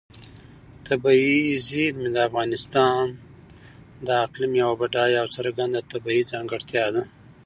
طبیعي زیرمې د افغانستان د اقلیم یوه بډایه او څرګنده طبیعي ځانګړتیا ده.